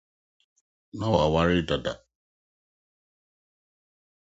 Ná wɔaware dedaw.